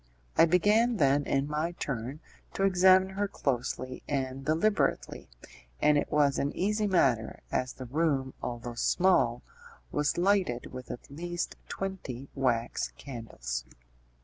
I began then, in my turn, to examine her closely and deliberately, and it was an easy matter, as the room, although small, was lighted with at least twenty wax candles.